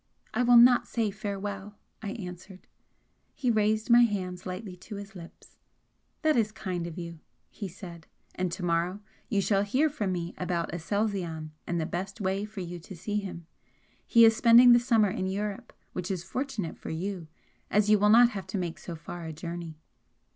"I will not say farewell!" I answered. He raised my hands lightly to his lips. "That is kind of you!" he said "and to morrow you shall hear from me about Aselzion and the best way for you to see him. He is spending the summer in Europe, which is fortunate for you, as you will not have to make so far a journey."